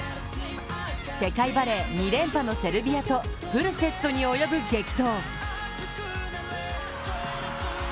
世界バレー２連覇のセルビアとフルセットに及ぶ激闘。